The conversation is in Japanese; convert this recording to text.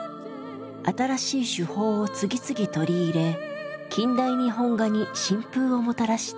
新しい手法を次々取り入れ近代日本画に新風をもたらした。